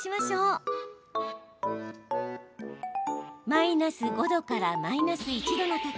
マイナス５度からマイナス１度の時